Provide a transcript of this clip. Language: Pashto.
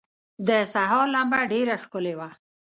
د سهار لمبه ډېره ښکلي وه.